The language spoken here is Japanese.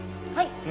はい！